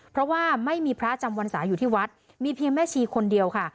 เพราะว่าไม่มีพระจำวรรษาอยู่ที่วัดมีเพียงแม่ชีคนเดียวค่ะ